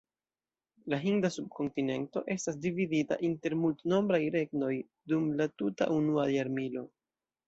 La Hinda subkontinento estas dividita inter multnombraj regnoj dum la tuta unua jarmilo.